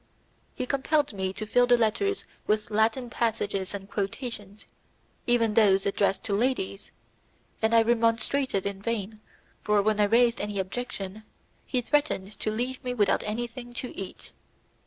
He compelled me to fill the letters with Latin passages and quotations, even those addressed to ladies, and I remonstrated in vain, for, when I raised any objection, he threatened to leave me without anything to eat.